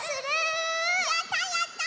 やったやった！